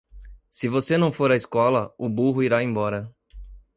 Se você não for à escola, o burro irá embora.